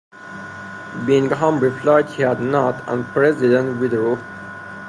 Bingham replied he had not, and "President" withdrew.